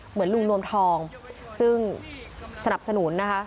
เหมือนลุงนวมทองซึ่งสนับสนุนนะคะ